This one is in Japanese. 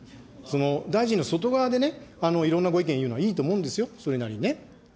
大臣の外側でね、いろんなご意見言うのはいいと思うんですよ、それなりにね。